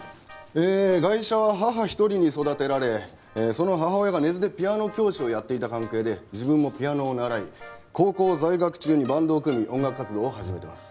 えーガイシャは母一人に育てられその母親が根津でピアノ教師をやっていた関係で自分もピアノを習い高校在学中にバンドを組み音楽活動を始めてます。